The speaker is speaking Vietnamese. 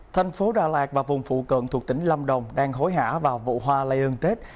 thành phố đà lạt và vùng phụ cận thuộc tỉnh lâm đồng đang hối hả vào vụ hoa lây ơn tết